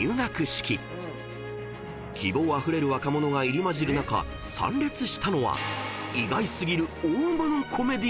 ［希望あふれる若者が入り交じる中参列したのは意外過ぎる］